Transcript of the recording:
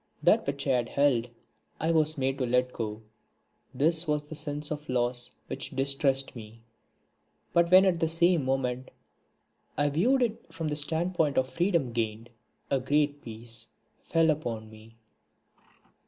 That which I had held I was made to let go this was the sense of loss which distressed me, but when at the same moment I viewed it from the standpoint of freedom gained, a great peace fell upon me.